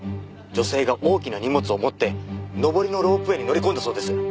女性が大きな荷物を持って上りのロープウェイに乗り込んだそうです。